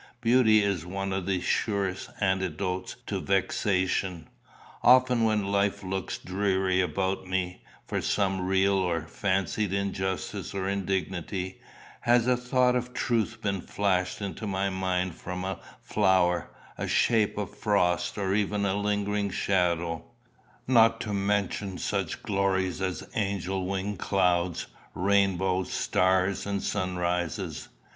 Beauty is one of the surest antidotes to vexation. Often when life looked dreary about me, from some real or fancied injustice or indignity, has a thought of truth been flashed into my mind from a flower, a shape of frost, or even a lingering shadow not to mention such glories as angel winged clouds, rainbows, stars, and sunrises.